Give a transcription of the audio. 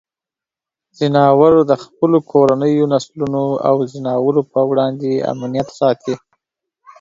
ځناور د خپلو کورنیو نسلونو او ځناورو پر وړاندې امنیت ساتي.